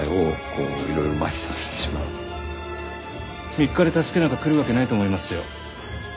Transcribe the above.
３日で助けなんか来るわけないと思いますよ。